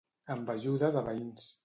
Amb ajuda de veïns.